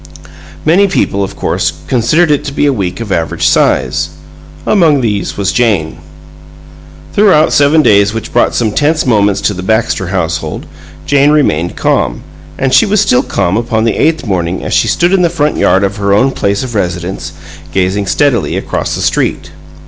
Many people, of course, considered it to be a week of average size. Among these was Jane. Throughout seven days which brought some tense moments to the Baxter household, Jane remained calm; and she was still calm upon the eighth morning as she stood in the front yard of her own place of residence, gazing steadily across the street.